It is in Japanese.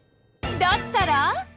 だったら？